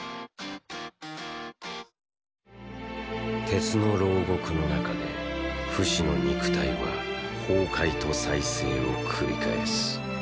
鉄の牢獄の中でフシの肉体は崩壊と再生を繰り返す。